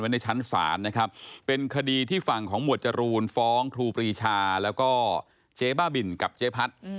ในชั้นศาลนะครับเป็นคดีที่ฝั่งของหมวดจรูนฟ้องครูปรีชาแล้วก็เจ๊บ้าบินกับเจ๊พัด